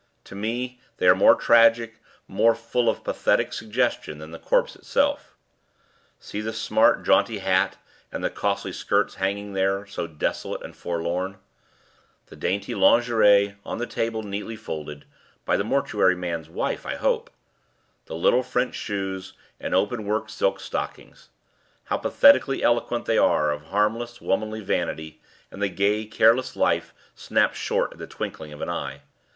"To me they are more tragic, more full of pathetic suggestion, than the corpse itself. See the smart, jaunty hat, and the costly skirts hanging there, so desolate and forlorn; the dainty lingerie on the table, neatly folded by the mortuary man's wife, I hope the little French shoes and open work silk stockings. How pathetically eloquent they are of harmless, womanly vanity, and the gay, careless life, snapped short in the twinkling of an eye.